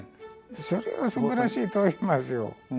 それはすばらしいと思いますよ。